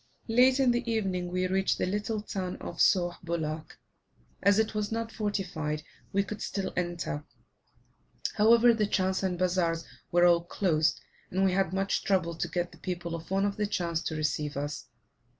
Late in the evening, we reached the little town of Sauh Bulak. As it was not fortified, we could still enter; however, the chans and bazaars were all closed, and we had much trouble to get the people of one of the chans to receive us.